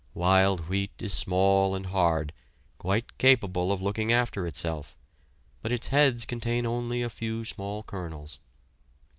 Wild wheat is small and hard, quite capable of looking after itself, but its heads contain only a few small kernels.